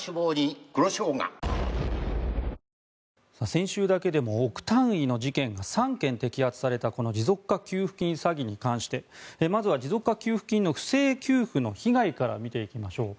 先週だけでも億単位の事件が３件摘発されたこの持続化給付金詐欺に関してまずは持続化給付金の不正給付の被害から見ていきましょう。